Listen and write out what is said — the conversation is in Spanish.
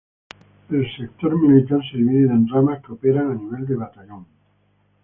El sector militar se divide en ramas, que operan a nivel de batallón.